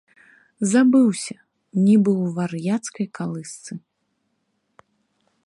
Зыбаўся, нібы ў вар'яцкай калысцы.